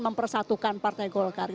mempersatukan partai golkar